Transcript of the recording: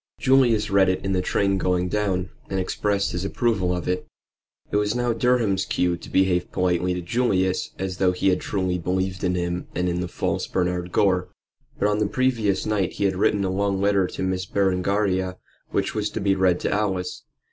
Julius read it in the train going down and expressed his approval of it. It was now Durham's cue to behave politely to Julius, and as though he truly believed in him and in the false Bernard Gore. But on the previous night he had written a long letter to Miss Berengaria, which was to be read to Alice.